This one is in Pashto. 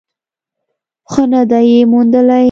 خو نه ده یې موندلې.